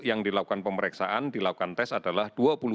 yang dilakukan pemeriksaan dilakukan tes adalah dua puluh delapan ratus sepuluh